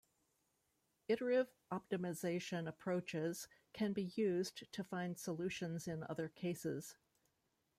Iterative optimization approaches can be used to find solutions in other cases.